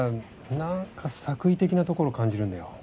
なんか作為的なところ感じるんだよ。